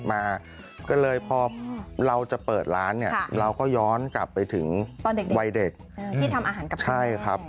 ข้างบัวแห่งสันยินดีต้อนรับทุกท่านนะครับ